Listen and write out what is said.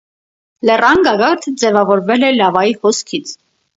Լեռան գագաթը ձևավորվել է լավայի հոսքից։